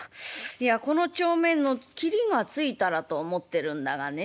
いやこの帳面の切りがついたらと思ってるんだがね